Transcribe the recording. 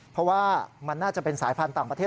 เพราะว่ามันน่าจะเป็นสายพันธุ์ต่างประเทศ